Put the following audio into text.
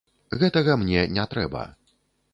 Гэтага мне не трэба.